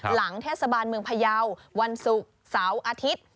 หลังเทศบาลเมืองพยาววันศุกร์เสาร์อาทิตย์